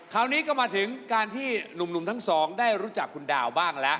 คราวนี้ก็มาถึงการที่หนุ่มทั้งสองได้รู้จักคุณดาวบ้างแล้ว